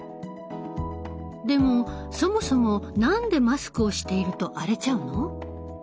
でもそもそも何でマスクをしていると荒れちゃうの？